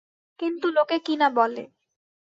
কিন্তু লোকে কী না বলে।